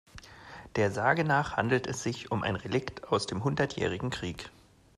Der Sage nach handelt es sich um ein Relikt aus dem Hundertjährigen Krieg.